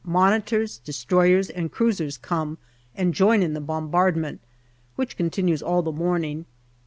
Monitors, destroyers, and cruisers come and join in the bombardment, which continues all the morning.